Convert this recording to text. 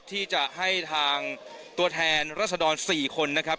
ที่จะให้ทางตัวแทนรัศดร๔คนนะครับ